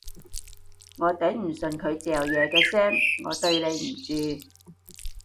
我頂唔順佢嚼嘢嘅聲，我對你唔住